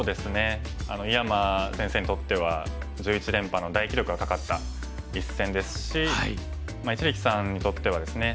井山先生にとっては１１連覇の大記録がかかった一戦ですし一力さんにとってはですね